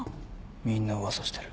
みんな噂してる。